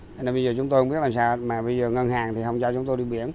bây giờ chúng tôi không biết làm sao mà bây giờ ngân hàng thì không cho chúng tôi đi biển